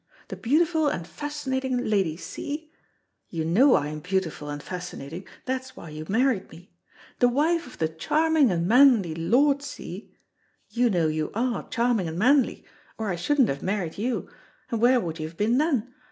The beautiful and fascinating Lady C. (you know I am beautiful and fascinating, that's why you married me), the wife of the charming and manly Lord C. (you know you are charming and manly, or I shouldn't have married you, and where would you have been then?